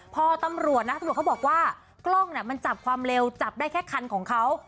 พอตำรวจนะตำรวจเขาบอกว่ากล้องมันจับความเร็วจับได้แค่คันของเขา